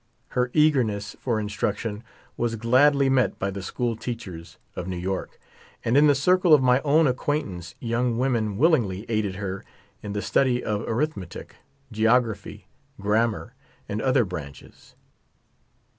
Her eagerness for in struction was gladly met by the echool teachers of New York, and in the circle of my own acquaintance young women willingly aided her in the study of arithmetic, geography, grammar, and other V)rnnches.